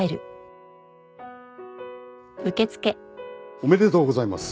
おめでとうございます。